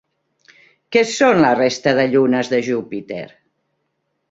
Què són la resta de llunes de Júpiter?